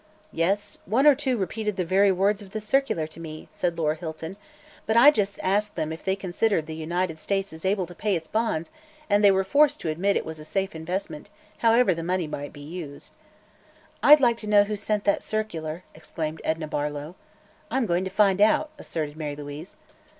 "Yes; one or two repeated the very words of the circular to me," said Laura Hilton; "but I just asked them if they considered the United States able to pay its bonds and they were forced to admit it was a safe investment, however the money might be used." "I'd like to know who sent that circular," exclaimed Edna Barlow. "I'm going to find out!" asserted Mary Louise.